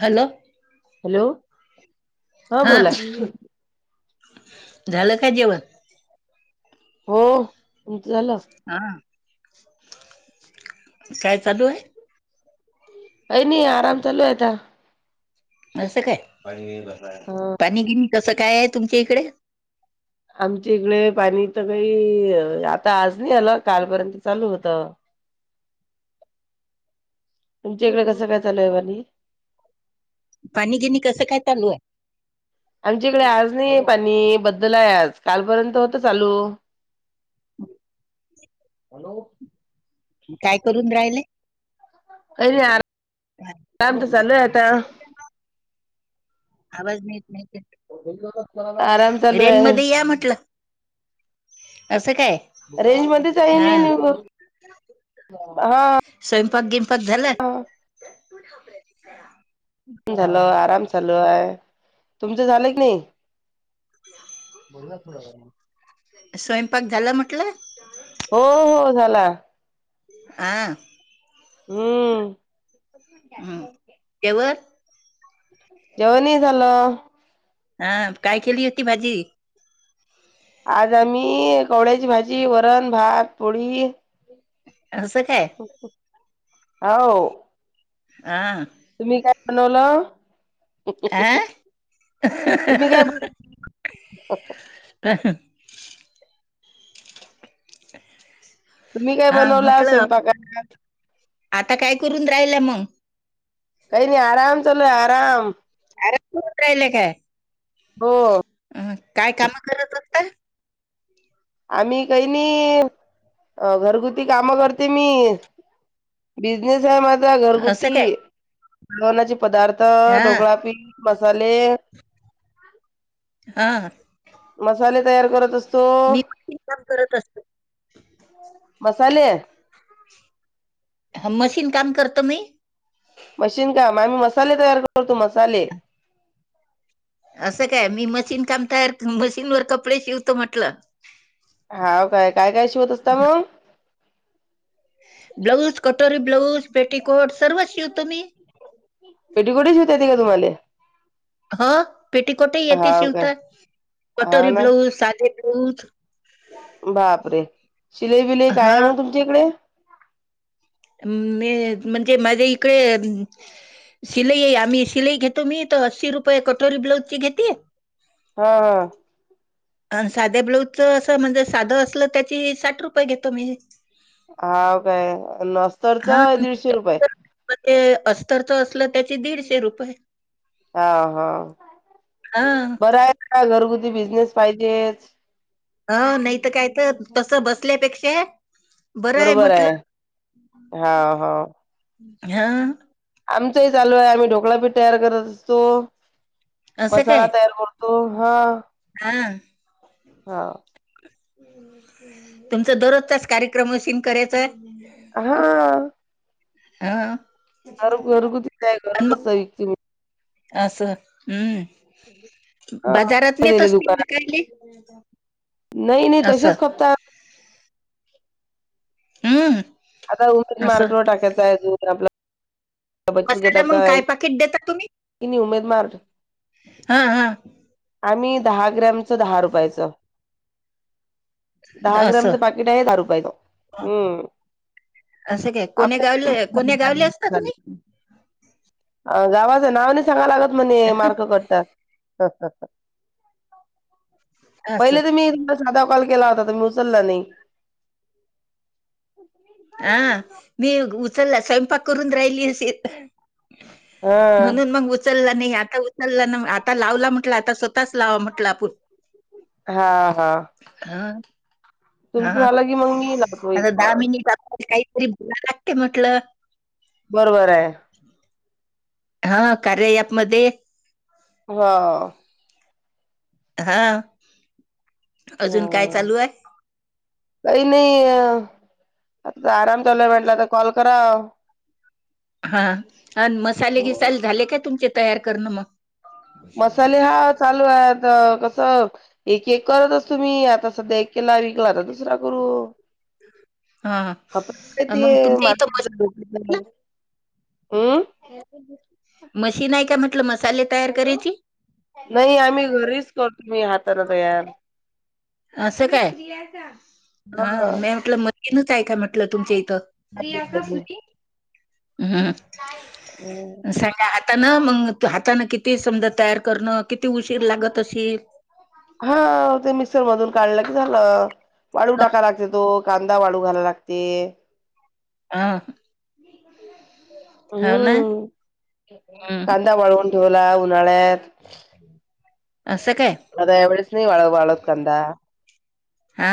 Hello hello हा झालं का जेवण हो झालं हा काय चालू आहे अय नाही आराम चालू आहेता असं काय ह पाणी गिनी कसं काय आहे तुमच्या इकडे आमच्या इकडे पाणी तर काही आता आज नाही आला कालपर्यंत चालू होत तर तुमच्या इकडे कसं काय चालयवनी पाणी गिणी कसं काय चालू आहे आमच्या इकडे आज नाही पाणी बद्दल आज कालपर्यंत होत चालू [inaudible] हॅलो! काय करून राहिले? [unintelligible] [unintelligible] आराम तर चालू आहे आता आवाज नीट नाही, आराम चालू रेन आहे. मध्ये या म्हटलं असं काय रेंज मध्येच आहे हा मी न स्वयंपाक गिमपाक झालं? झाल. आराम चालू आहे, तुमचं झालं की नाही? बोलला थोडं फार मग. स्वयंपाक झाला म्हटलं? हो हो झाला. आ. हम्म हम्म [unintelligible] जेवण हि झालं. हा काय केली होती भाजी? आज आम्ही, कवळ्याची भाजी, वरण, भात, पोळी असं काय? हो हा. तुम्ही काय बनवलं? आं? तुम्ही काय [unintelligible] [inaudible] तुम्ही काय हा बनवला म्हटलं स्वयंपाकात? आता काय करून राहिल्या मग? काही नाही आराम चालूये आराम. [unintelligible] राहिल्या काय? हो. अ, काय काम करत असता? आम्ही काही नाही, घरगुती कामं करते मी. बिझनेस आहे माझ असं घरगुती काय? जेवनाचे पदार्थ हां, ढोकळापीठ मसाले, हां. मसाले तयार करत अस तो मी मशीन काम करत असता मसाले. मशीन काम करतो मी. मशीन काम, आम्ही मसाले तयार करतो मसाले. असं काय? मी मशीन काम तयार मशीनवर कपडे शिवतो म्हटलं. हाव काय, काय काय शिवत असता मग? ब्लाऊज, कटोरी ब्लाऊज, पेटिकोट सर्व शिवतो मी. पेटीकोट ही शिवता येते का तुम्हाले? हो पेटिकोटही येते हाव काय? शिवता, हाव कटोरी ना ब्लाऊज, साधे ब्लाउज बापरे! शिलाई बिलाई काय आहे हां. मग तुमच्या इकडे? मी म्हणजे माझ्या इकडे शिलाई आम्ही, शिलाई घेतो मी तर अस्सी रुपये कटोरी ब्लाउजचे घेते. हा हा अ साध्या ब्लाऊजच असं म्हणजे साधं असलं त्याची साठ रुपये घेतो मी. हा काय अन् अस्तरच हां. दीडशे रुपये तर मग ते अस्तरचं असलं त्याची दीडशे रुपये हा हा हां. बरं आहे का घरगुती बिझनेस पाहिजे [inaudible] ह नाही तर काय तर, तस बसल्यापेक्षा बरं बरोबर म्हटलं. आहे. हा हा. हा आमचही चालू आहे आम्ही ढोकळापीठ तयार करत असतो. असं काय? मसाला तयार करतो हा हां. हा. तुमचा दररोजचाच कार्यक्रम मशीन करायचा हा हा घर घरगुती काय, घरपोच विकते मी. असं हम्म हा बाजारात नेत दिले असतील दुकानात विकायले नाही नाही असं. तसेच खपतात. हम आता उमेद मार्गावर टाकायचा आहे उद्योग आपला मसाला मग काय पाकिट देता तुम्ही? तिनी उमेद मार्ग हा हा आम्ही दहा ग्रॅमच दहा रुपयाच दहा असं. ग्रामचं पाकेट आहे दहा रुपयाच हम्म असं काय? आप कोण्या गावले कोण्या गावले असता तुम्ही? अ गावाचं नाव नाही सांगा लागत म्हण मार्क कातात असं. पहिले तर मी तुला साधा कॉल केला होता तम्ही उचलला नाही ज्ञहय हा मी उचलला स्वयंपाक करून राहिली असशी हा. म्हणून मग उचलला नाही आता उचलला ना आता लावला म्हटलं आता स्वतच लावा म्हटलं आपण हा हा हा तुमचं ह झालं की मग मी लावतो एक आता कॉल दामनी काहीतरी बला लागते म्हटलं बरोबर आहे हा कार्य अँप मध्ये हा हा अजून काय हा चालू आहे काही नाही आता आराम चालय म्हेटला तर कॉल करा हा आणि मसाले घिसाले झाले काय तुमचे तयार करणं मग मसाले हा चालू आहेत क अस एक एक करतच तुम्ही आता सध्या एक केला विकला तर दुसरा गू हा खप त अन् मग तुमच्या मार इथं मशीन आहे का? मशीन आहे का म्हटलं मसाले तयार करायची नाही आम्ही घरीच करतो मी हाताने तयार असं काय हा ह मी म्हटलं मगनच आहे का म्हटलं तुमच्या इ ा ह मग हाताने किती समजा तयार करणं किती उशीर लागत असशी हा ते मिक्सर मधून काढलं की झालं वाळू टाका लागते तो कांदा वाळू घायला लागते हह हम हं. कांदा वाळवून ठेवला उन्हाळ्यात असं काय? आता एवढच नाही वाळ वाळत कांदा हा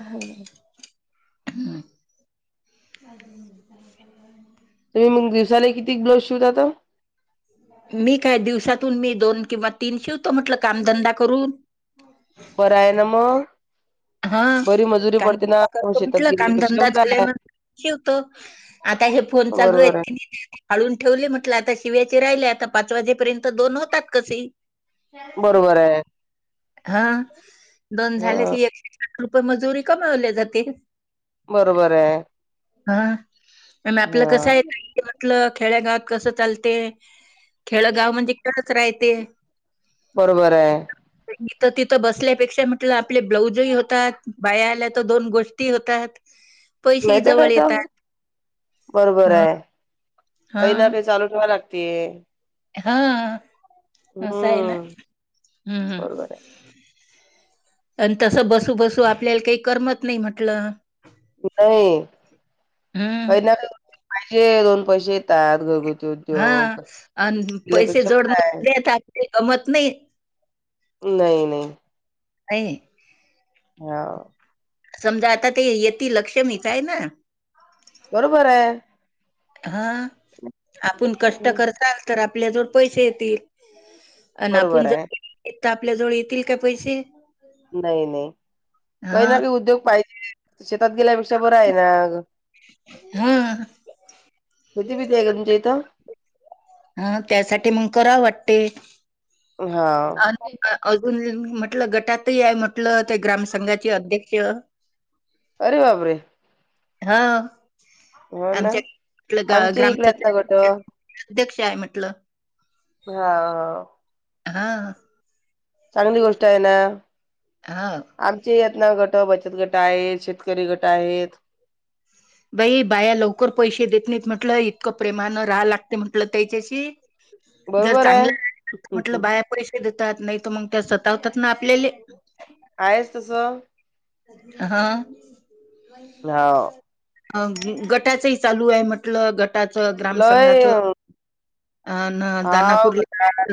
हा हम्म म मग दिवसाला किती ब्लाउज शूतात मी काय दिवसातून मी दोन किंवा तीन शिवतो म्हटलं कामधंदा करून बरं आहे ना मग हा बरी मजुरी पडते ना कामधंदा करतो शेतात म्हटलं गेल्यापेक्षा कामधंदा बर झाल्यानंतर ठेवतो आता हे फोन चालू आहे आहेत हाळून ठेवले म्हटलं आता शिव्याचे राहिले आता पाच वाजेपर्यंत दोन होतात कसे ही बरोबर आहे हा दोन झाले की एकशे सठ रुपये मजुरी कमावल्या जातील बरोबर आहे हा म ह बरोबर आपलं हा कसं आहे म्हटलं खेड्यागावात कसं चालते खेळगाव म्हणजे कटक राय ते बरोबर आहे मी तर तिथं बसल्यापेक्षा म्हटलं आपले ब्लाउजही होत बाया आल्या तर दोन गोष्टी होतात पैसेही माहित जवळ कायच येतात. बरोबर हं, आहे काही ना काही चालू ठेवा लागतेय हा सय ना हम्म हम्म हम्म बरोबर आहे आणि तस बसू बसू आपल्याला काही करमत नाही म्हटलं नाही हं, काही ना काही पाहिजे दोन पैसे येतात घरगुती हा उद्योग आणि पैसे केल्यापेक्षा जोडन काय दताही गमत नाही नाही नाही नाही ह समजा आता ते येतील लक्ष्मी च हाय ना, बरोबर आहे. हा आपण कष्ट हं, करसाल, तर आपल्या जवळ पैसे येतील. आणि बरोबर आपण आहे जर [unintelligible] आपल्या जवळ येतील काय पैसे, नाही नाही काही हां, ना काही उद्योग पाहिजेचं, शेत तात गेल्यापेक्षा बर आहे ना, हां. किती बिती आहे का तुमच्या इथं, हा त्यासाठी मग करा वाटते हा अजून म्हटलं गटातही आहे म्हटलं ते ग्राम संंघाचे अध्यक्ष अरे बापरे हा हो ना. आमच्यालं आमच्या ग्राम इकडे आहेत ना गटं. अध्यक्ष आहे म्हटलं हा हा चांगली गोष्ट आहे ना हां. आमची ना गट बचत गट आहेत शेतकरी गट आहेत बाई बाया लवकर पैसे देत नाहीत म्हंटलं इतकं प्रेमानं राहा लागते म्हंटलं त्याच्याशी जर बरोबर आहे. चांगलं हं, म्हटलं हं. बाया पैसे देतात नाही मग त्या सतावतात ना आपल्याले. आहेच तसं हा, हो. अ गटाचं ही चालू आहे. म्हटलं गटाच ग्राम संंघाचं, हा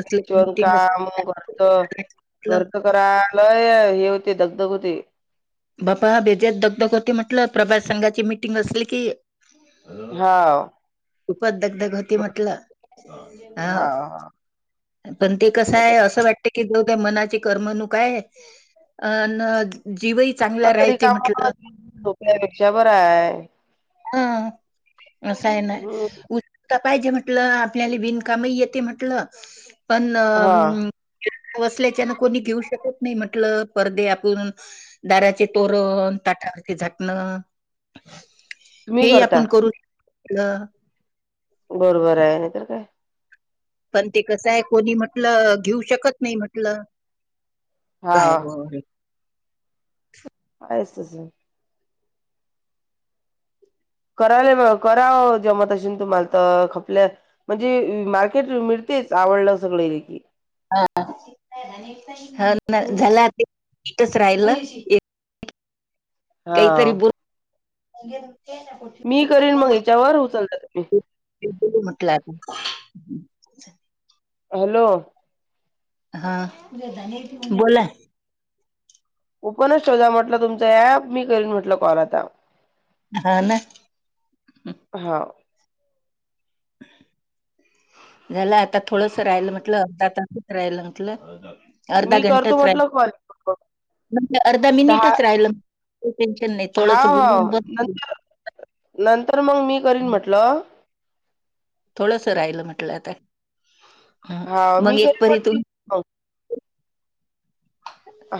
असलं की मीटिंग काम असते घरचं म्हटलं. घरच करत. हा लय हे होते, दगदग होते. बापा बेजेत दगदग होती. म्हटलं प्रभास संघाची मिटिंग असली की, हाव, खूपच दगदग होती बरोबर. म्हटलं, हाव पण ते कसं आहे. असं वाटत की, मनाची करमणूक काय, अन जीवही चांगला कसरी राहते कामा म्हटलं [unintelligible] पेक्षा बरं आहे. हा असं आहे ना, हं. पाहिजे म्हटलं, आपल्याला विणकामही येते म्हंटलं, पण हां. वसल्याच्यान कोणी घेऊ शकत नाही म्हटलं, परदे आपण दाराचे तोरण ताटावरचे झाकणं. तुम्ही हे हि करता. आपण करू [unintelligible] म्हटलं. बरोबर आहे. नाही तर काय, पण ते कसं आहे, कोणी म्हटलं घेऊ शकत नाही म्हटलं. काय हां. हो, असस, कराला म कराव जमत असेल, तुम्हाला तर खपल्या म्हणजे मार्केट मिळ तेच आवडलं सगळेले की, हा ह [unintelligible] हम्म. झाला तेच राहिलं, हा. काहीतरी बोल [unintelligible] मी करन मग याच्यावर उचलता तुम्ही, म्हटलं, हॅलो, हा बोला. ओपनस ठेवूया म्हटलं, तुमच ऍप मी करीन म्हटलं कॉल आता. हं ना, हा [unintelligible] झालं आता थोडस राहिल म्हटल आताच राहिल म्हंटलं अर्धा मी करतो घंटाच राय म्हटलं कॉल म्हण अर्धा दहा मिनिटच राहिलं टेन्शन नाही हा हा थोडं ब ब नंतर नंतर मग मी करीन म्हटलं थोडस राहिलं म्हटलं आता [unintelligible] ह हा मी मग एक करीन परी तु म्हटलं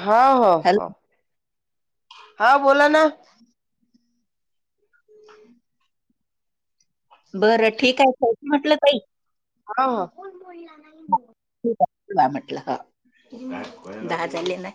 हा हो हो हॅलो हा बोला ना, बरं ठीक आहे ठेवते म्हटलं ताई. [unintelligible] बा म्हटलं ह दहा जनीला.